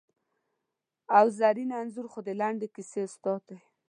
او زرین انځور خو د لنډې کیسې استاد دی!